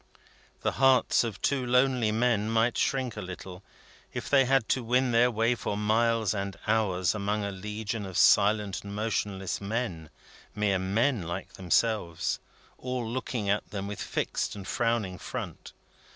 The hearts of two lonely men might shrink a little, if they had to win their way for miles and hours among a legion of silent and motionless men mere men like themselves all looking at them with fixed and frowning front.